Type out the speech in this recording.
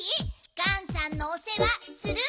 ガンさんのおせわする？